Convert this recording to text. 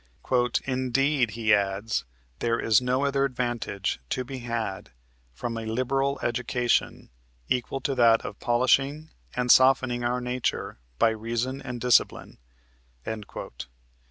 "Indeed," he adds, "there is no other advantage to be had from a liberal education equal to that of polishing and softening our nature by reason and discipline."